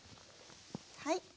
はい。